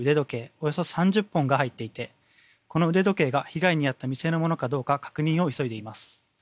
およそ３０本が入っていてこの腕時計が被害に遭った店のものかどうか確認を急いでいます。